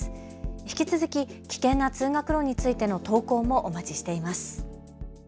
引き続き危険な通学路についての投稿もお待ちしています。